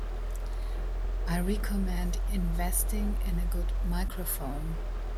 I recommend investing in a good microphone.